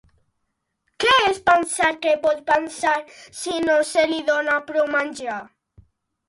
Què es pensa que pot passar si no se li dona prou menjar?